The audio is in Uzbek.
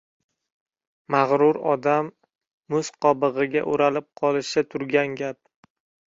Magrur odam muz qobig‘iga o‘ralib qolishi turgan gap.